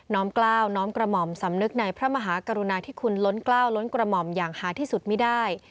้อมกล้าวน้อมกระหม่อมสำนึกในพระมหากรุณาที่คุณล้นกล้าวล้นกระหม่อมอย่างหาที่สุดไม่ได้